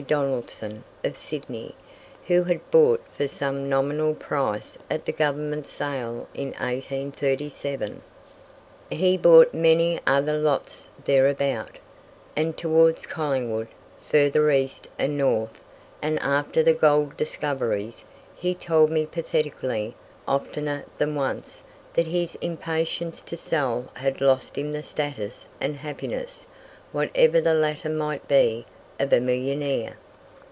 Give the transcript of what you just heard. Donaldson, of Sydney, who had bought for some nominal price at the Government sale in 1837. He bought many other lots thereabout, and towards Collingwood, further east and north; and after the gold discoveries, he told me pathetically, oftener than once, that his impatience to sell had lost him the status and happiness whatever the latter might be of a millionaire.